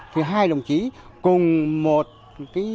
thì hai đồng chí cùng một chi hội cựu chiến binh